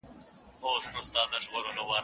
په دې ښار کي له پوړني د حیا قانون جاري وو